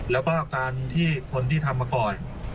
แล้วก็คนที่ทำมาก่อน